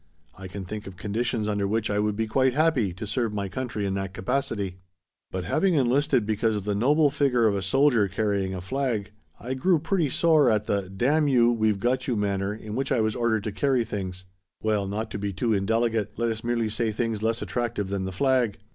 I can think of conditions under which I would be quite happy to serve my country in that capacity. But having enlisted because of the noble figure of a soldier carrying a flag, I grew pretty sore at the 'Damn you, we've got you' manner in which I was ordered to carry things well, not to be too indelicate let us merely say things less attractive than the flag.